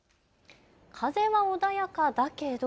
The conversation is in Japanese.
風は穏やかだけど。